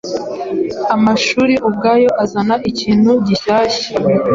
amashuri ubwayo azana ikintu gishyashya.